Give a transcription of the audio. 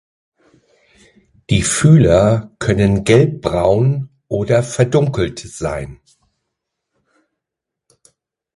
Die Fühler können gelbbraun oder verdunkelt sein.